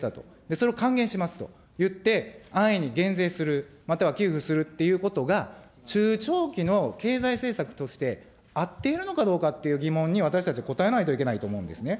それを還元しますと言って、安易に減税する、または寄付するっていうことが、中長期の経済政策として、合っているのかどうかっていう疑問に、私たち応えないといけないと思うんですね。